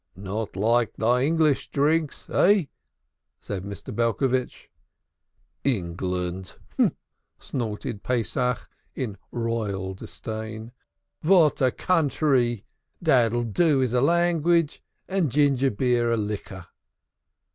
"Not like thy English drinks, eh?" said Mr. Belcovitch. "England!" snorted Pesach in royal disdain. "What a country! Daddle doo is a language and ginger beer a liquor."